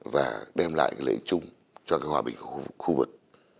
và đem lại cái lợi ích chung cho cái hòa bình khu vực